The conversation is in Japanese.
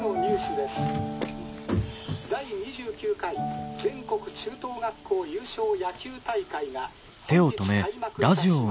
第２９回全国中等学校優勝野球大会が本日開幕いたします。